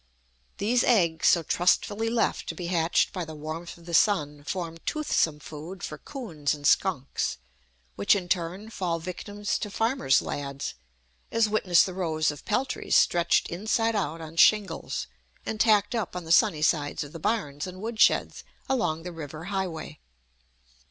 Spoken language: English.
These eggs, so trustfully left to be hatched by the warmth of the sun, form toothsome food for coons and skunks, which in turn fall victims to farmers' lads, as witness the rows of peltries stretched inside out on shingles, and tacked up on the sunny sides of the barns and woodsheds along the river highway.